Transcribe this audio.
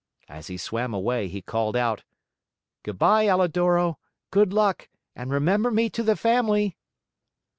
As he swam away, he called out: "Good by, Alidoro, good luck and remember me to the family!"